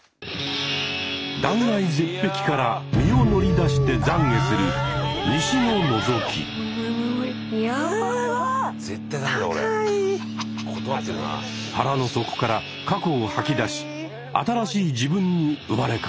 断崖絶壁から身を乗り出してざんげする腹の底から過去を吐き出し新しい自分に生まれ変わります。